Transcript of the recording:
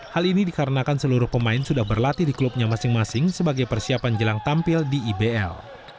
hal ini dikarenakan seluruh pemain sudah berlatih di klubnya masing masing sebagai persiapan jelang tampil di ibl